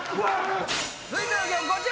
続いての曲こちら！